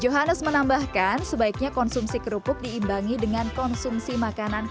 johannes menambahkan sebaiknya konsumsi kerupuk diimbangi dengan konsumsi makanan